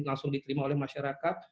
langsung dikirim oleh masyarakat